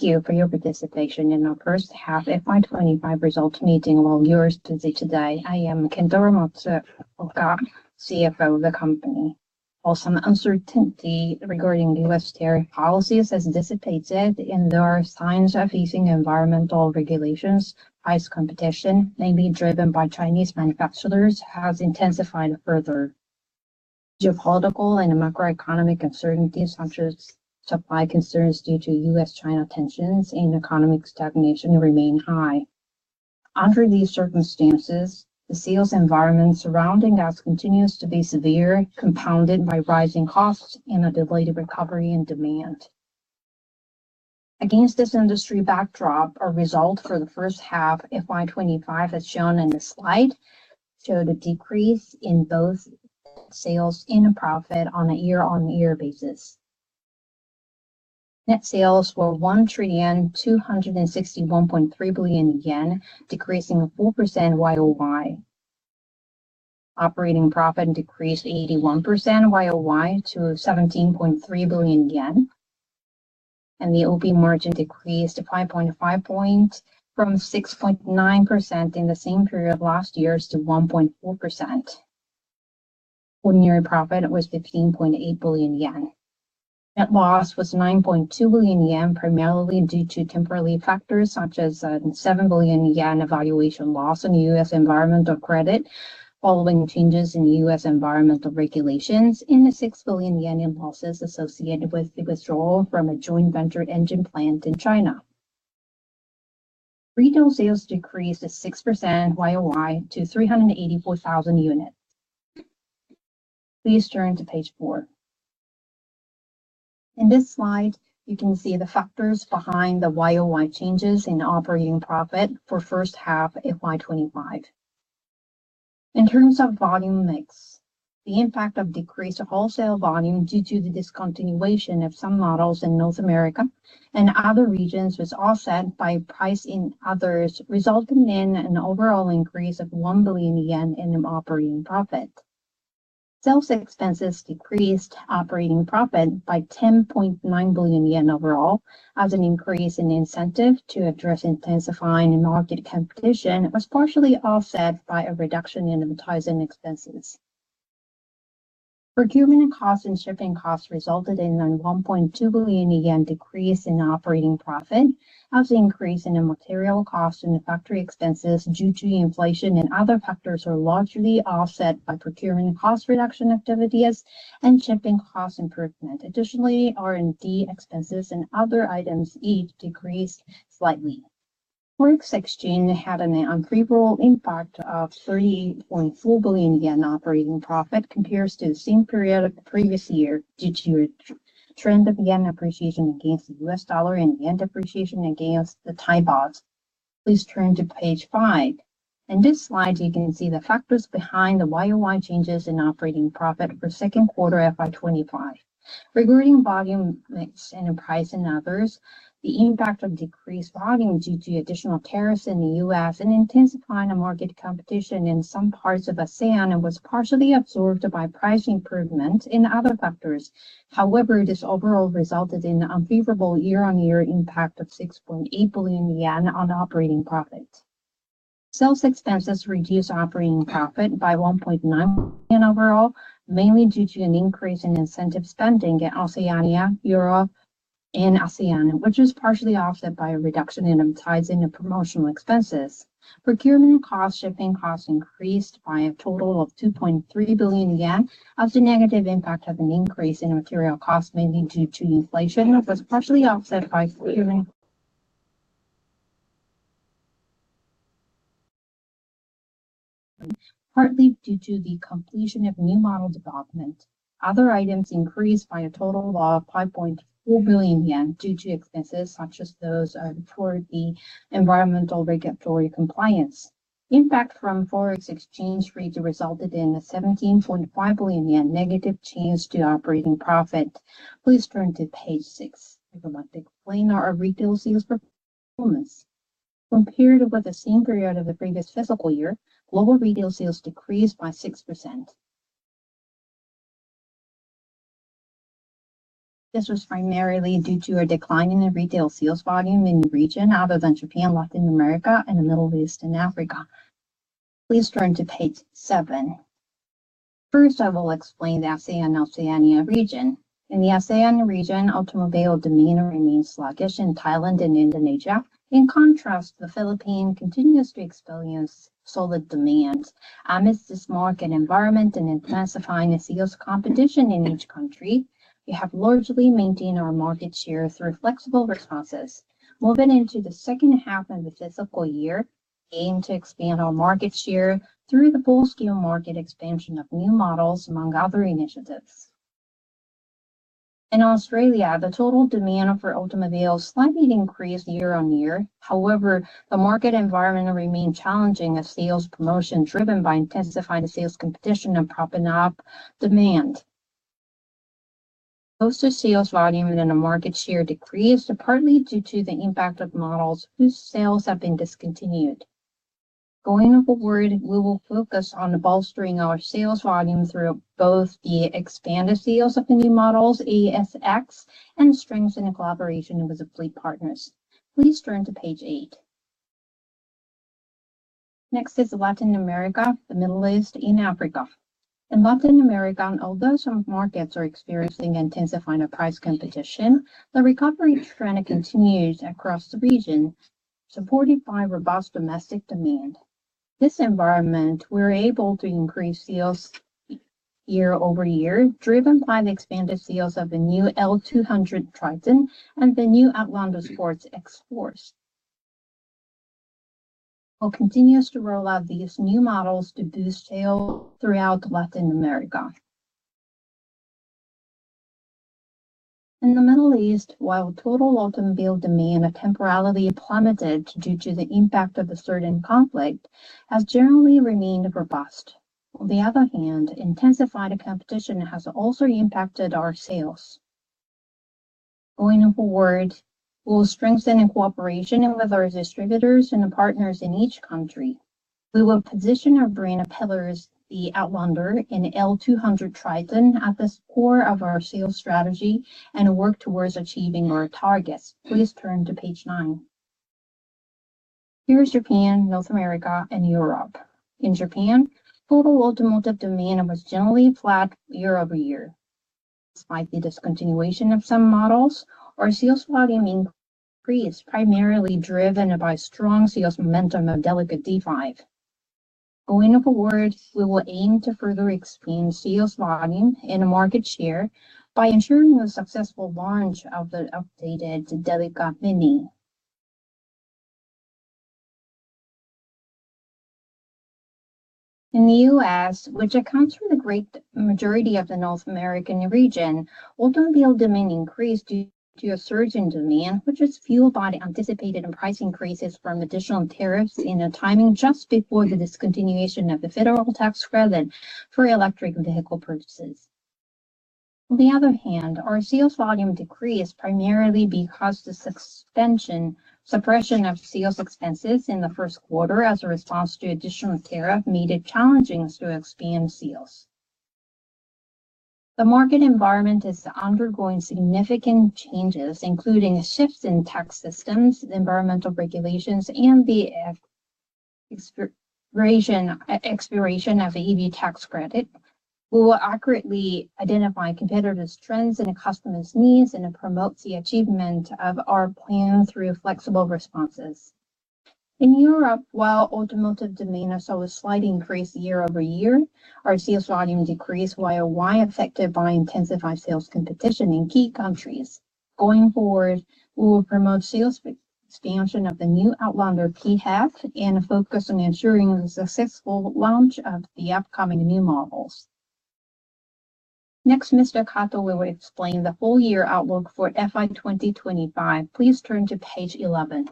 Thank you for your participation in our first half FY2025 results meeting while you're seated today. I am Kentaro Matsuoka, CFO of the company. While some uncertainty regarding U.S. tariff policies has dissipated, there are signs of easing environmental regulations. Price competition, mainly driven by Chinese manufacturers, has intensified further. Geopolitical and macroeconomic uncertainties, such as supply concerns due to U.S.-China tensions and economic stagnation, remain high. Under these circumstances, the sales environment surrounding us continues to be severe, compounded by rising costs and a delayed recovery in demand. Against this industry backdrop, our result for the first half FY25, as shown in this slide, showed a decrease in both sales and profit on a year-on-year basis. Net sales were 1.2613 trillion, decreasing 4% Y-o-Y. Operating profit decreased 81% year-on-year to 17.3 billion yen, and the OP margin decreased 5.5 points from 6.9% in the same period last year to 1.4%. Ordinary profit was 15.8 billion yen. Net loss was 9.2 billion yen, primarily due to temporary factors such as a 7 billion yen valuation loss on U.S. environmental credit following changes in U.S. environmental regulations and the 6 billion yen in losses associated with the withdrawal from a joint venture engine plant in China. Retail sales decreased 6% year-on-year to 384,000 units. Please turn to page four. In this slide, you can see the factors behind the year-on-year changes in operating profit for the first half of FY25. In terms of volume mix, the impact of decreased wholesale volume due to the discontinuation of some models in North America and other regions was offset by pricing in others, resulting in an overall increase of 1 billion yen in operating profit. Sales expenses decreased operating profit by 10.9 billion yen overall, as an increase in incentive to address intensifying market competition was partially offset by a reduction in advertising expenses. Procurement costs and shipping costs resulted in a 1.2 billion yen decrease in operating profit, as the increase in material costs and factory expenses due to inflation and other factors was largely offset by procurement cost reduction activities and shipping cost improvement. Additionally, R&D expenses and other items each decreased slightly. Foreign exchange had an unfavorable impact of 38.4 billion yen operating profit compared to the same period of the previous year due to a trend of yen appreciation against the U.S. dollar and yen depreciation against the Thai baht. Please turn to page five. In this slide, you can see the factors behind the year-on-year changes in operating profit for the second quarter of FY25. Regarding volume mix and pricing in others, the impact of decreased volume due to additional tariffs in the U.S. and intensifying market competition in some parts of ASEAN was partially absorbed by price improvement and other factors. However, this overall resulted in an unfavorable year-on-year impact of 6.8 billion yen on operating profit. Sales expenses reduced operating profit by 1.9 billion overall, mainly due to an increase in incentive spending in ASEAN, Europe, and ASEAN, which was partially offset by a reduction in advertising and promotional expenses. Procurement costs and shipping costs increased by a total of 2.3 billion yen, as the negative impact of an increase in material costs mainly due to inflation was partially offset by procurement costs, partly due to the completion of new model development. Other items increased by a total of 5.4 billion yen due to expenses such as those toward the environmental regulatory compliance. Impact from forex exchange rates resulted in a 17.5 billion yen negative change to operating profit. Please turn to page six if you want to explain our retail sales performance. Compared with the same period of the previous fiscal year, global retail sales decreased by 6%. This was primarily due to a decline in the retail sales volume in the region other than Japan, Latin America, and the Middle East and Africa. Please turn to page seven. First, I will explain the ASEAN and Oceania region. In the ASEAN region, automobile demand remains sluggish in Thailand and Indonesia. In contrast, the Philippines continues to experience solid demand. Amidst this market environment and intensifying sales competition in each country, we have largely maintained our market share through flexible responses. Moving into the second half of the fiscal year, we aim to expand our market share through the full-scale market expansion of new models among other initiatives. In Australia, the total demand for automobiles slightly increased year-on-year. However, the market environment remained challenging as sales promotion driven by intensifying sales competition and propping up demand. Most of sales volume and the market share decreased partly due to the impact of models whose sales have been discontinued. Going forward, we will focus on bolstering our sales volume through both the expanded sales of the new models, ASX, and strengthen collaboration with fleet partners. Please turn to page eight. Next is Latin America, the Middle East, and Africa. In Latin America, although some markets are experiencing intensifying price competition, the recovery trend continues across the region, supported by robust domestic demand. This environment, we're able to increase sales year-over-year, driven by the expanded sales of the new L200 Triton and the new Outlander Sport, Xforce. We'll continue to roll out these new models to boost sales throughout Latin America. In the Middle East, while total automobile demand temporarily plummeted due to the impact of the surge in conflict, it has generally remained robust. On the other hand, intensified competition has also impacted our sales. Going forward, we'll strengthen cooperation with our distributors and partners in each country. We will position our brand pillars, the Outlander and L200 Triton, at the core of our sales strategy and work towards achieving our targets. Please turn to page nine. Here is Japan, North America, and Europe. In Japan, total automotive demand was generally flat year-over-year. Despite the discontinuation of some models, our sales volume increase, primarily driven by strong sales momentum of Delica D:5. Going forward, we will aim to further expand sales volume and market share by ensuring a successful launch of the updated Delica Mini. In the U.S., which accounts for the great majority of the North American region, automobile demand increased due to a surge in demand, which is fueled by the anticipated price increases from additional tariffs and timing just before the discontinuation of the federal tax credit for electric vehicle purchases. On the other hand, our sales volume decreased primarily because of the suspension of sales expenses in the first quarter as a response to additional tariffs made it challenging to expand sales. The market environment is undergoing significant changes, including shifts in tax systems, environmental regulations, and the expiration of the EV tax credit. We will accurately identify competitors' trends and customers' needs and promote the achievement of our plan through flexible responses. In Europe, while automotive demand saw a slight increase year-over-year, our sales volume decreased while affected by intensified sales competition in key countries. Going forward, we will promote sales expansion of the new Outlander PHEV and focus on ensuring a successful launch of the upcoming new models. Next, Mr. Kato, we will explain the full year outlook for FY2025. Please turn to page 11.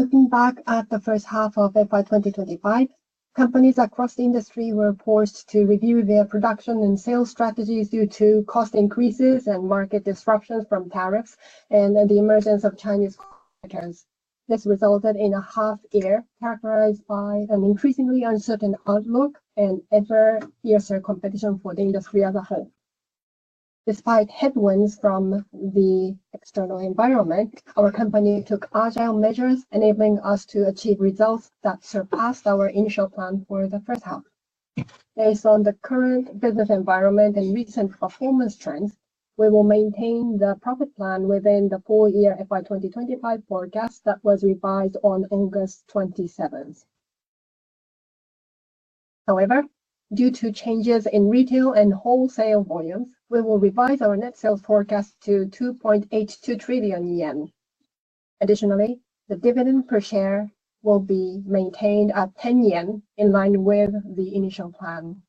Looking back at the first half of FY2025, companies across the industry were forced to review their production and sales strategies due to cost increases and market disruptions from tariffs and the emergence of Chinese competitors. This resulted in a half-year characterized by an increasingly uncertain outlook and ever-fiercer competition for the industry as a whole. Despite headwinds from the external environment, our company took agile measures, enabling us to achieve results that surpassed our initial plan for the first half. Based on the current business environment and recent performance trends, we will maintain the profit plan within the full year FY2025 forecast that was revised on August 27. However, due to changes in retail and wholesale volumes, we will revise our net sales forecast to 2.82 trillion yen. Additionally, the dividend per share will be maintained at 10 yen, in line with the initial plan.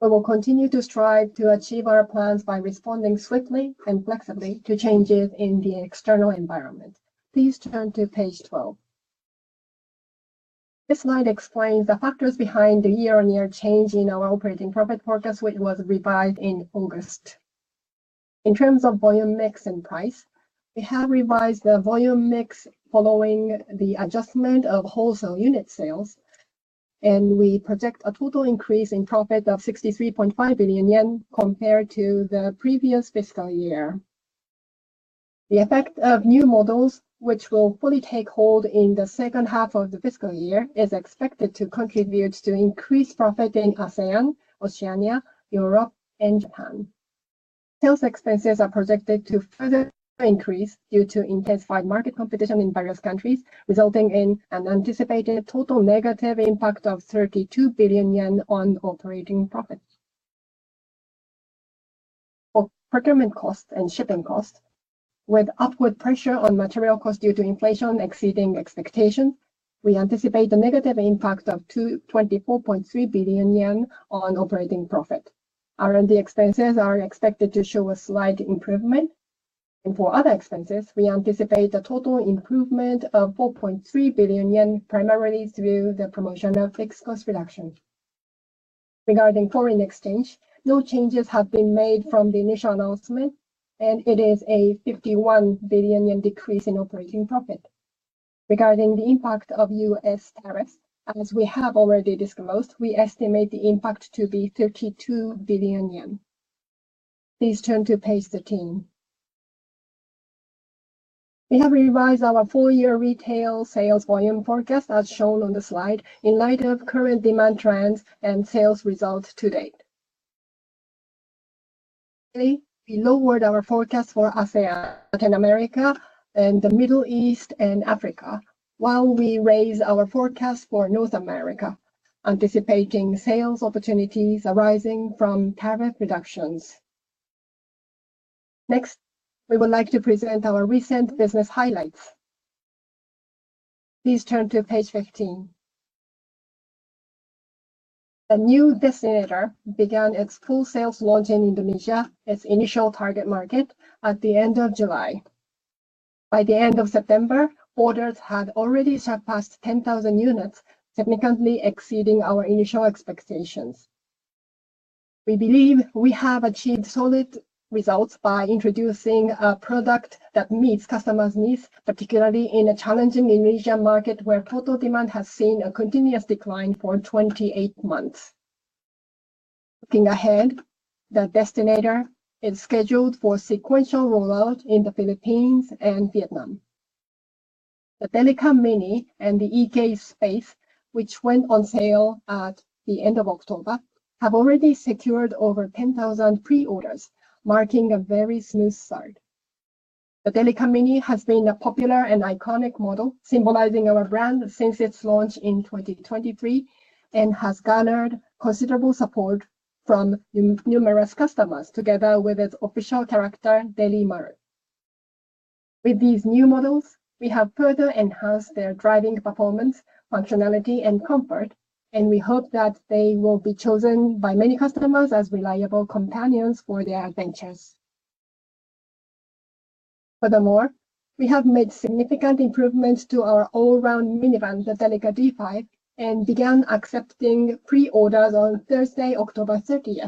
We will continue to strive to achieve our plans by responding swiftly and flexibly to changes in the external environment. Please turn to page 12. This slide explains the factors behind the year-on-year change in our operating profit forecast, which was revised in August. In terms of volume mix and price, we have revised the volume mix following the adjustment of wholesale unit sales, and we project a total increase in profit of 63.5 billion yen compared to the previous fiscal year. The effect of new models, which will fully take hold in the second half of the fiscal year, is expected to contribute to increased profit in ASEAN, Oceania, Europe, and Japan. Sales expenses are projected to further increase due to intensified market competition in various countries, resulting in an anticipated total negative impact of 32 billion yen on operating profit. For procurement costs and shipping costs, with upward pressure on material costs due to inflation exceeding expectations, we anticipate a negative impact of 24.3 billion yen on operating profit. R&D expenses are expected to show a slight improvement. And for other expenses, we anticipate a total improvement of 4.3 billion yen, primarily through the promotion of fixed cost reduction. Regarding foreign exchange, no changes have been made from the initial announcement, and it is a 51 billion yen decrease in operating profit. Regarding the impact of U.S. tariffs, as we have already disclosed, we estimate the impact to be 32 billion yen. Please turn to page 13. We have revised our full year retail sales volume forecast, as shown on the slide, in light of current demand trends and sales results to date. We lowered our forecast for ASEAN, Latin America, the Middle East, and Africa, while we raised our forecast for North America, anticipating sales opportunities arising from tariff reductions. Next, we would like to present our recent business highlights. Please turn to page 15. The new Xforce began its full sales launch in Indonesia, its initial target market, at the end of July. By the end of September, orders had already surpassed 10,000 units, significantly exceeding our initial expectations. We believe we have achieved solid results by introducing a product that meets customers' needs, particularly in a challenging Indonesian market where total demand has seen a continuous decline for 28 months. Looking ahead, the Xforce is scheduled for sequential rollout in the Philippines and Vietnam. The Delica Mini and the eK Space, which went on sale at the end of October, have already secured over 10,000 pre-orders, marking a very smooth start. The Delica Mini has been a popular and iconic model, symbolizing our brand since its launch in 2023, and has garnered considerable support from numerous customers, together with its official character, Deli Maru. With these new models, we have further enhanced their driving performance, functionality, and comfort, and we hope that they will be chosen by many customers as reliable companions for their adventures. Furthermore, we have made significant improvements to our all-round minivan, the Delica D:5, and began accepting pre-orders on Thursday, October 30.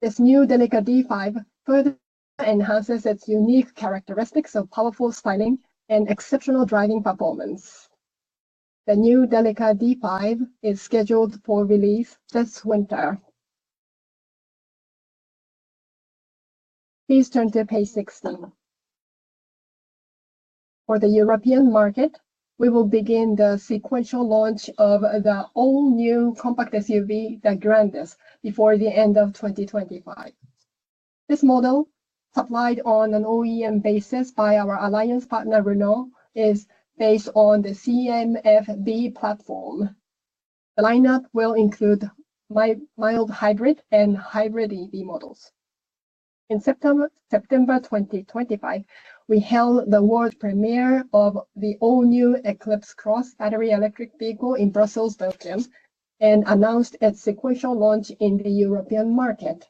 This new Delica D:5 further enhances its unique characteristics of powerful styling and exceptional driving performance. The new Delica D:5 is scheduled for release this winter. Please turn to page 16. For the European market, we will begin the sequential launch of the all-new compact SUV, the ASX, before the end of 2025. This model, supplied on an OEM basis by our alliance partner, Renault, is based on the CMF-B platform. The lineup will include mild hybrid and hybrid EV models. In September 2025, we held the world premiere of the all-new Eclipse Cross battery electric vehicle in Brussels, Belgium, and announced its sequential launch in the European market.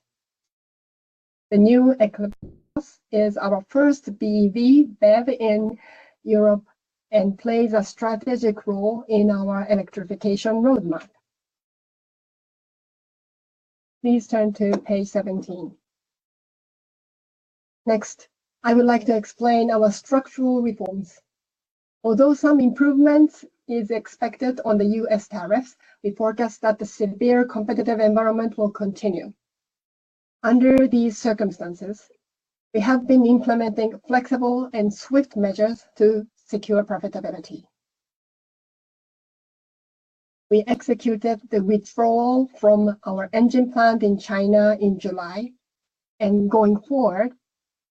The new Eclipse Cross is our first BEV in Europe and plays a strategic role in our electrification roadmap. Please turn to page 17. Next, I would like to explain our structural reforms. Although some improvements are expected on the U.S. tariffs, we forecast that the severe competitive environment will continue. Under these circumstances, we have been implementing flexible and swift measures to secure profitability. We executed the withdrawal from our engine plant in China in July, and going forward,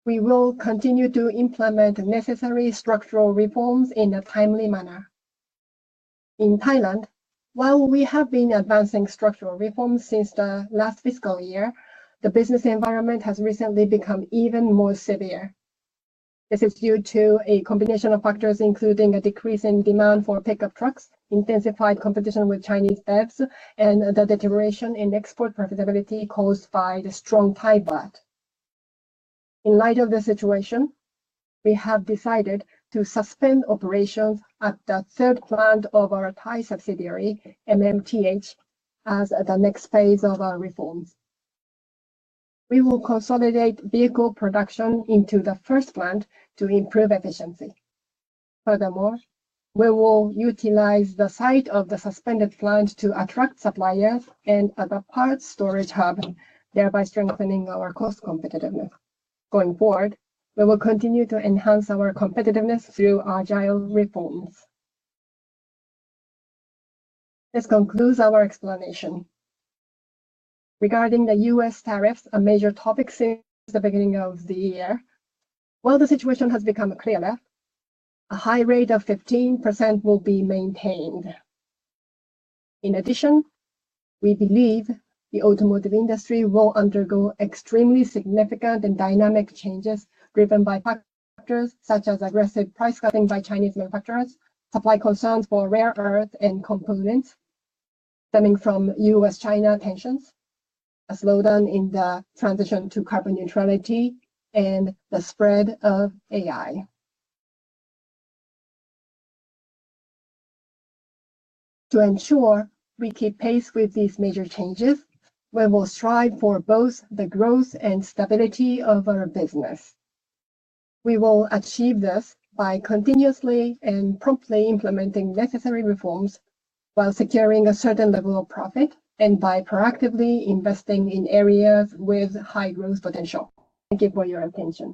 we will continue to implement the necessary structural reforms in a timely manner. In Thailand, while we have been advancing structural reforms since the last fiscal year, the business environment has recently become even more severe. This is due to a combination of factors, including a decrease in demand for pickup trucks, intensified competition with Chinese EVs, and the deterioration in export profitability caused by the strong Thai baht. In light of this situation, we have decided to suspend operations at the third plant of our Thai subsidiary, MMTH, as the next phase of our reforms. We will consolidate vehicle production into the first plant to improve efficiency. Furthermore, we will utilize the site of the suspended plant to attract suppliers and a parts storage hub, thereby strengthening our cost competitiveness. Going forward, we will continue to enhance our competitiveness through agile reforms. This concludes our explanation. Regarding the U.S. tariffs, a major topic since the beginning of the year, while the situation has become clearer, a high rate of 15% will be maintained. In addition, we believe the automotive industry will undergo extremely significant and dynamic changes driven by factors such as aggressive price cutting by Chinese manufacturers, supply concerns for rare earth and components stemming from U.S.-China tensions, a slowdown in the transition to carbon neutrality, and the spread of AI. To ensure we keep pace with these major changes, we will strive for both the growth and stability of our business. We will achieve this by continuously and promptly implementing necessary reforms while securing a certain level of profit and by proactively investing in areas with high growth potential. Thank you for your attention.